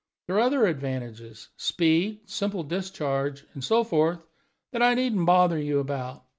There are other advantages speed, simple discharge, and so forth that I needn't bother you about.